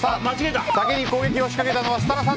先に攻撃を仕掛けたのは設楽さん。